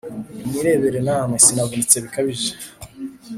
Nimwirebere namwe: sinavunitse bikabije,